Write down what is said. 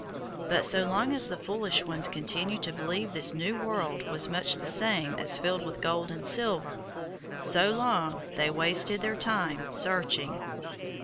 But so long as the foolish ones continued to believe this new world was much the same as filled with gold and silver, so long they wasted their time searching.